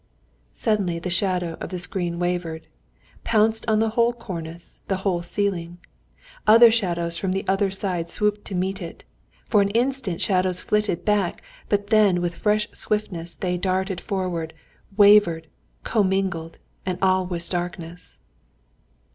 Suddenly the shadow of the screen wavered, pounced on the whole cornice, the whole ceiling; other shadows from the other side swooped to meet it, for an instant the shadows flitted back, but then with fresh swiftness they darted forward, wavered, commingled, and all was darkness.